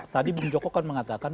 tadi bung joko kan mengatakan